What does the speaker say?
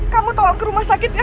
kamu tolong ke rumah sakit nggak